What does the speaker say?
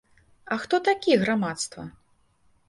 А хто такі грамадства?